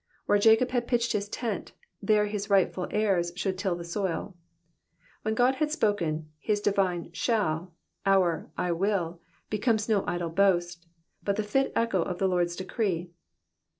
Where Jacob had pitched his tent, there his rightful heirs should till the soil. When God has spoken, his divine shall, our *'/ triZZ," becomes no idle boast, but the fit echo of the Lord's decree.